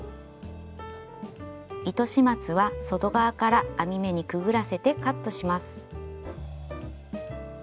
糸始末は外側から編み目にくぐらせてカットします。